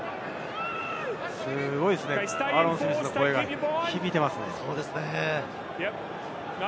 すごいですね、アーロン・スミスの声が響いています。